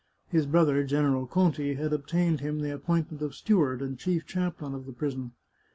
His brother, General Conti, had obtained him the appointment of steward and chief chaplain of the prison.